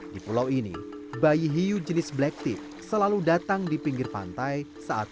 di pulau ini bayi hiu jenis black tip selalu datang di pinggir pantai saat